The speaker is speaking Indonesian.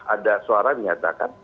ada suara menyatakan